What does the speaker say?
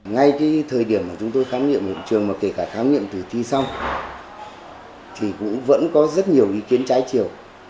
ngay cái thời điểm mà chúng tôi khám nghiệm hiện trường mà kể cả khám nghiệm tử thi xong thì cũng vẫn có rất nhiều ý kiến trái chiều